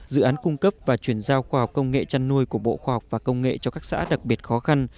dự án cung cấp và chuyển giao khoa học công nghệ chăn nuôi của bộ khoa học và công nghệ cho các xã đặc biệt khó khăn